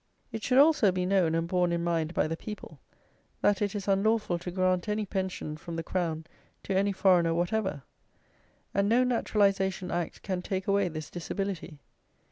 It should also be known and borne in mind by the people, that it is unlawful to grant any pension from the crown to any foreigner whatever. And no naturalization act can take away this disability.